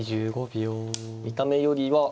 見た目よりはえ。